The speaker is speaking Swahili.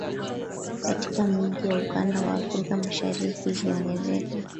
katika miji ya ukanda wa afrika mashariki ikiongezeka